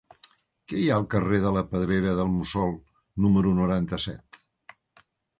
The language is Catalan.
Què hi ha al carrer de la Pedrera del Mussol número noranta-set?